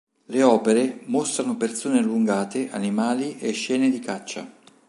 Le opere mostrano persone allungate, animali e scene di caccia.